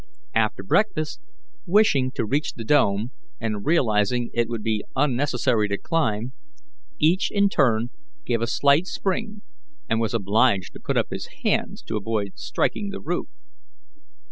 After breakfast, wishing to reach the dome, and realizing that it would be unnecessary to climb, each in turn gave a slight spring and was obliged to put up his hands to avoid striking the roof.